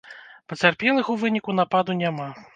Пацярпелых у выніку нападу няма.